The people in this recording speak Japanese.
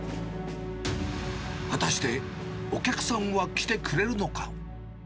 果たして、お客さんは来てくれるのか。